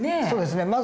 そうですね。